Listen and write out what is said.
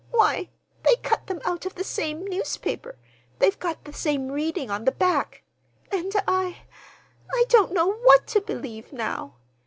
Why, they cut them out of the same newspaper; they've got the same reading on the back! And I—I don't know what to believe now.